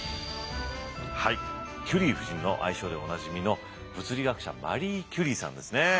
はいキュリー夫人の愛称でおなじみの物理学者マリー・キュリーさんですね。